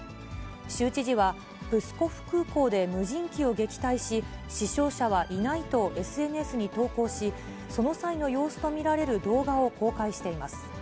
州知事は、プスコフ空港で無人機を撃退し、死傷者はいないとＳＮＳに投稿し、その際の様子と見られる動画を公開しています。